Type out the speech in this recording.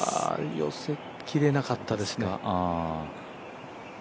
寄せきれなかったですね。